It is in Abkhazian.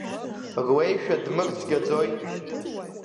Рлеишәа дмырцәгьаӡои?